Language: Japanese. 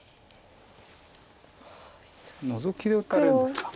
ノゾキで打たれるんですか。